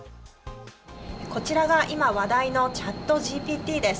こちらが今、話題のチャットＧＰＴです。